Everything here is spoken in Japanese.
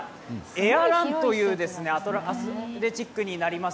エアーランというアスレチックになります。